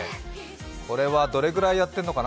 これはどれくらいやってんのかな？